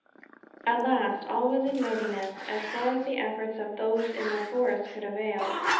At last all was in readiness, as far as the efforts of those in the forest could avail.